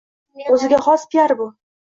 O‘ziga xos piar bu.